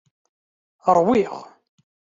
Ṛwiɣ.